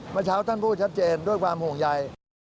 เมื่อเช้าท่านพูดชัดเจนด้วยความห่วงใย